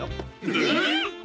えっ！？